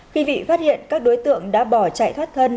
khi bị phát hiện các đối tượng đã bỏ chạy thoát thân